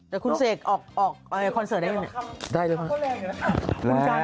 แต่คุณเสกออกคอนเสิร์ตได้ไหม